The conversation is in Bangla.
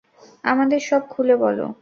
আমাদের সব খুলে বল।